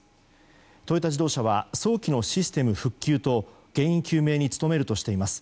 トヨタ自動車は早期のシステム復旧と原因究明に努めるとしています。